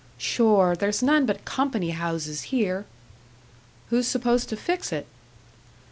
"Sure, there's none but company houses here." "Who's supposed to fix it?"